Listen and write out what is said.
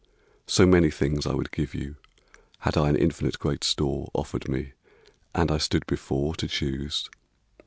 So many things I would give you Had I an infinite great store Offered me and I stood before To choose.